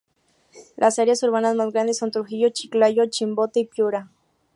Las áreas urbanas más grandes son: Trujillo, Chiclayo, Chimbote y Piura.